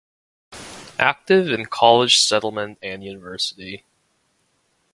Active in College Settlement and Univ.